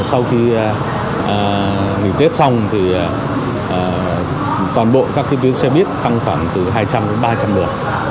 sau khi nghỉ tết xong thì toàn bộ các tuyến xe buýt tăng khoảng từ hai trăm linh đến ba trăm linh lượt